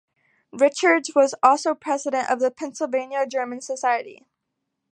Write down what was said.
Richards was also president of the Pennsylvania German Society.